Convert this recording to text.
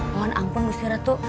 mohon ampun bustiratu